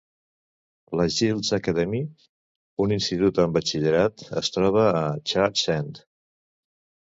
La Giles Academy, un institut amb batxillerat, es troba a Church End.